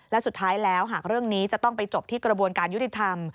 และสุดท้ายแล้วหากเรื่องนี้จะต้องไปจบที่กระบวนการยุติธรรม